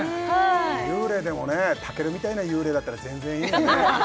幽霊でもね健みたいな幽霊だったら全然いいよね